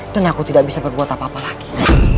dan aku tidak bisa berbuat apa apa lagi